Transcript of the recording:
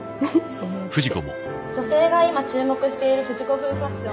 こうやって女性が今注目している富士子風ファッション